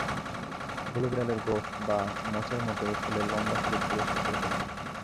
হুলো বিড়ালের গোঁফ বা মোচের মতো এ ফুলের লম্বা সরু পুরুষ কেশরগুলো।